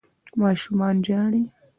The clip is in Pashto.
ماشومان ژاړي